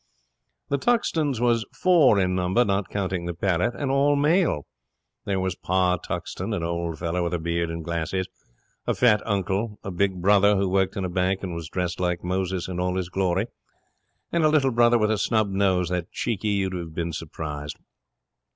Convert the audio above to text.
'The Tuxtons was four in number, not counting the parrot, and all male. There was Pa Tuxton, an old feller with a beard and glasses; a fat uncle; a big brother, who worked in a bank and was dressed like Moses in all his glory; and a little brother with a snub nose, that cheeky you'd have been surprised.